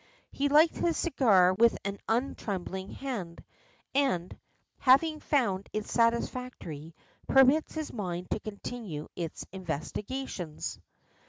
He lights his cigar with an untrembling hand, and, having found it satisfactory, permits his mind to continue its investigations.